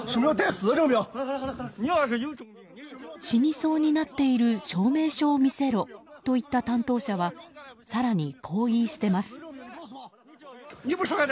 死にそうになっている証明書を見せろと言った担当者は更にこう言い捨てます。